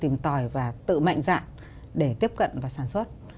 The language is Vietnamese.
tự tòi và tự mạnh dạng để tiếp cận và sản xuất